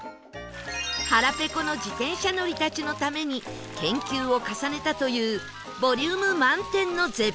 腹ぺこの自転車乗りたちのために研究を重ねたというボリューム満点の絶品グルメが待っていました